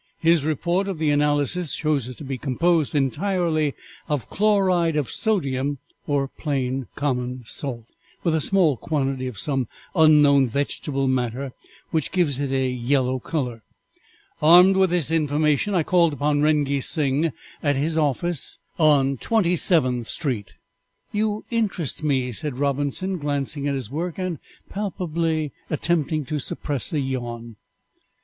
His report of the analysis shows it to be composed entirely of chloride of sodium or common salt, with a small quantity of some unknown vegetable matter which gives it a yellow color. Armed with this information, I called upon Rengee Sing at his office on Twenty seventh street." "You interest me," said Robinson, glancing at his work, and palpably attempting to suppress a yawn.